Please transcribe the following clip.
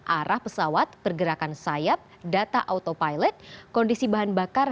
arah pesawat pergerakan sayap data autopilot kondisi bahan bakar